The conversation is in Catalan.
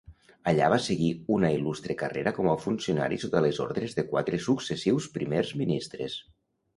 Allà va seguir una il·lustre carrera com a funcionari sota les ordres de quatre successius primers ministres.